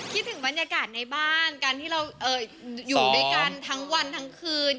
คิดถึงบรรยากาศในบ้านการที่เราอยู่ด้วยกันทั้งวันทั้งคืน